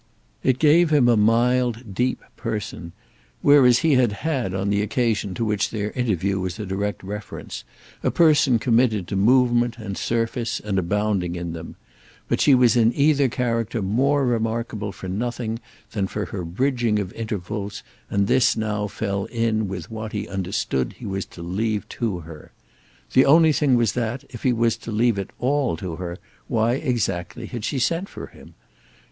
It gave him a mild deep person, whereas he had had on the occasion to which their interview was a direct reference a person committed to movement and surface and abounding in them; but she was in either character more remarkable for nothing than for her bridging of intervals, and this now fell in with what he understood he was to leave to her. The only thing was that, if he was to leave it all to her, why exactly had she sent for him?